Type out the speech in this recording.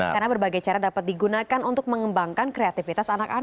karena berbagai cara dapat digunakan untuk mengembangkan kreativitas anak anak